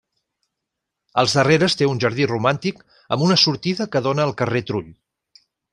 Als darreres té un jardí romàntic amb una sortida que dóna al carrer Trull.